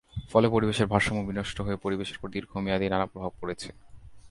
ফলে পরিবেশের ভারসাম্য বিনষ্ট হয়ে পরিবেশের ওপর দীর্ঘমেয়াদি নানা প্রভাব পড়ছে।